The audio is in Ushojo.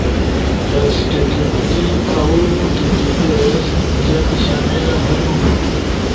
ایس ٹی ٹی اؤ ٹی ٹی ایس انجن شامل ہنو۔